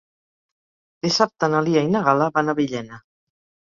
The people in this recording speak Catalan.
Dissabte na Lia i na Gal·la van a Villena.